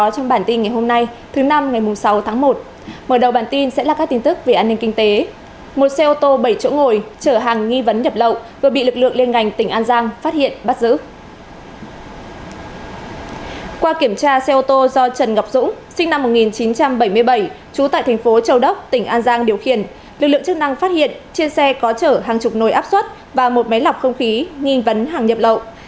cũng tại thành phố châu đốc tỉnh an giang điều khiển lực lượng chức năng phát hiện trên xe có chở hàng chục nồi áp suất và một máy lọc không khí nghiên vấn hàng nhập lậu